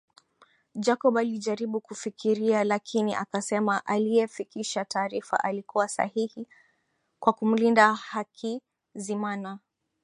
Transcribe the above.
Jacob alijaribu kufikiria lakini akasema aliyefikisha taarifa alikuwa sahihi kwa kumlinda Hakizimana